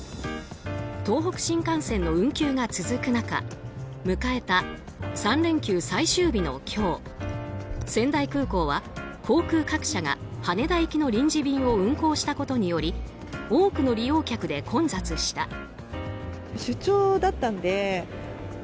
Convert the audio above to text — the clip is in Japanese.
東北新幹線の運休が続く中迎えた３連休最終日の今日仙台空港は航空各社が羽田行きの臨時便を運航したことにより多くの利用客で混雑した。